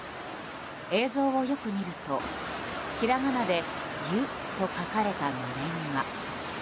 映像をよく見ると、ひらがなで「ゆ」と書かれたのれんが。